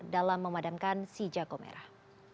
dalam memadamkan si jago merah